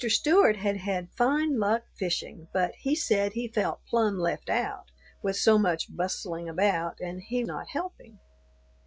Stewart had had fine luck fishing, but he said he felt plumb left out with so much bustling about and he not helping.